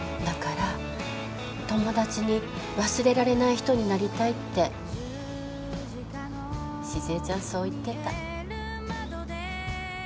だから友達に忘れられない人になりたいって静江ちゃんそう言ってた。